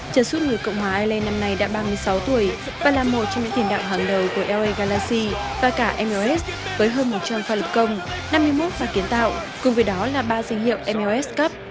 chân suốt người cộng hòa ireland năm nay đã ba mươi sáu tuổi và là một trong những tiền đạo hàng đầu của eore galaxy và cả ms với hơn một trăm linh pha lực công năm mươi một pha kiến tạo cùng với đó là ba danh hiệu mls cup